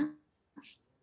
terima kasih banyak